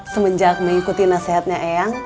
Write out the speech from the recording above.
semenjak mengikuti nasihatnya eyang